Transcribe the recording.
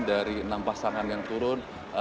dari enam pasangan yang turun